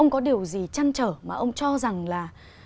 có gì chăn trở mà ông cho rằng là